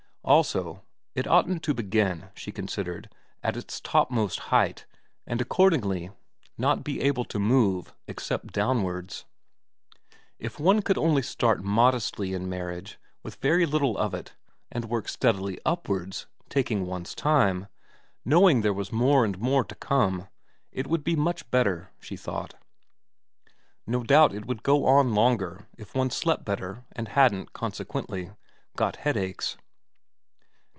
Also it oughtn't to begin, she considered, at its topmost height and accordingly not be able to move except downwards. If one could only start modestly in marriage with very little of it and work steadily upwards, taking one's time, knowing there was more and more xiv VERA 149 to come, it would be much better she thought. No doubt it would go on longer if one slept better and hadn't, consequently, got headaches.